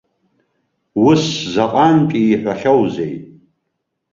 Ус заҟантә иҳәахьоузеи!